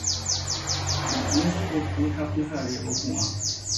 Koʼẽvo oke ha pyhare opuʼã.